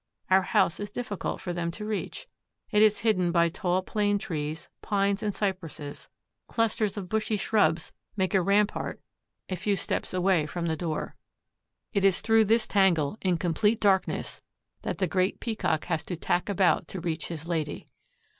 Our house is difficult for them to reach. It is hidden by tall plane trees, pines, and cypresses; clusters of bushy shrubs make a rampart a few steps away from the door. It is through this tangle, in complete darkness, that the Great Peacock has to tack about to reach his lady.